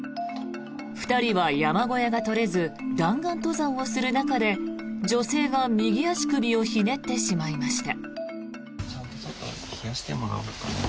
２人は山小屋が取れず弾丸登山をする中で女性が右足首をひねってしまいました。